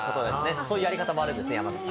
そういうやり方もあるんです、山里さん。